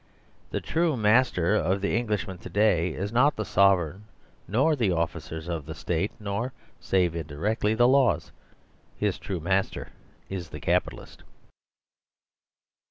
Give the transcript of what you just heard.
The true masterof the Englishman to day is not the Sovereign nor the officers of State, nor, save indirectly, the laws; his true master is the Capitalist.